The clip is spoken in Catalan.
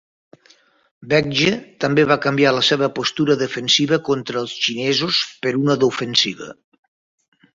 Baekje també va canviar la seva postura defensiva contra els xinesos per una d'ofensiva.